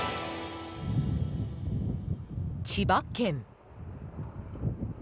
千葉県。